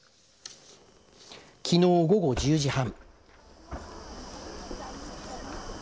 きのう午後１０時半。